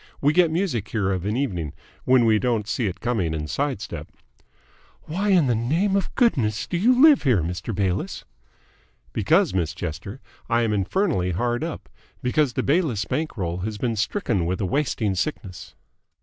We get music here of an evening when we don't see it coming and sidestep." "Why in the name of goodness do you live here, Mr. Bayliss?" "Because, Miss Chester, I am infernally hard up! Because the Bayliss bank roll has been stricken with a wasting sickness."